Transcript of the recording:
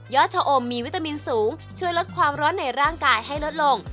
ชะอมมีวิตามินสูงช่วยลดความร้อนในร่างกายให้ลดลง